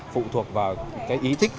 phụ thuộc vào cái ý thích